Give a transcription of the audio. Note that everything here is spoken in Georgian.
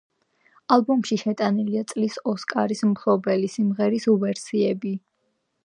ალბომში შეტანილია წლის ოსკარის მფლობელი სიმღერების ვერსიები.